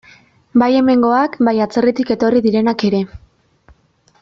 Bai hemengoak, bai atzerritik etorri direnak ere.